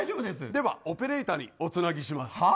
ではオペレーターにおつなぎします。